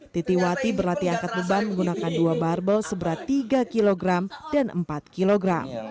titi wati berlatih angkat beban menggunakan dua barbel seberat tiga kg dan empat kg